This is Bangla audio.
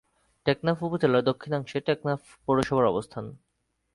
টেকনাফ উপজেলার দক্ষিণাংশে টেকনাফ পৌরসভার অবস্থান।